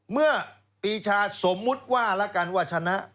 เมื่อปีชาสมมุติว่าแล้วกันว่าชนะ